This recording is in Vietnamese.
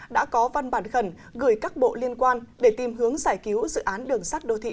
đã có văn bản khẩn gửi các bộ liên quan để tìm hướng giải cứu dự án đường sắt đô thị